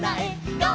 「ゴー！